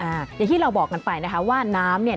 อย่างที่เราบอกกันไปนะคะว่าน้ำเนี่ย